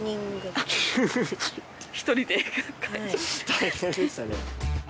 大変でしたね。